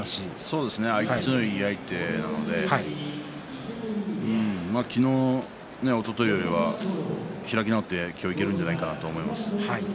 そうですね合い口のいい相手なので昨日、おとといよりは開き直って今日いけるんじゃないかなと思います。